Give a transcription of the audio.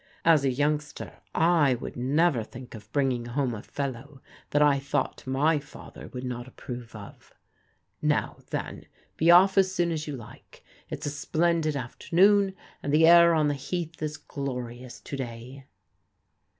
"As a yoimgster I would never think of bringing home a fellow that I thought my father would not approve of. Now, then, be off as soon as you like. It's a splendid afternoon, and the air on the Heath is glorious to day."